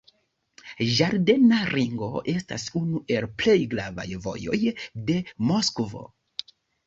Ĝardena ringo estas unu el plej gravaj vojoj de Moskvo.